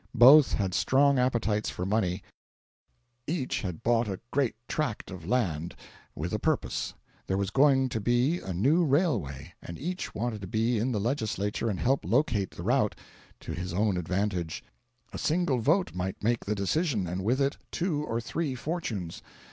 Both had strong appetites for money; each had bought a great tract of land, with a purpose; there was going to be a new railway, and each wanted to be in the Legislature and help locate the route to his own advantage; a single vote might make the decision, and with it two or three fortunes.